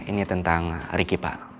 ini tentang riki pak